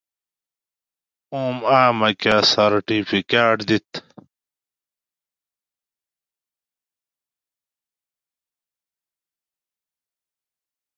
اوم اٞ ماکٞہ سرٹیفیکیٹ دِت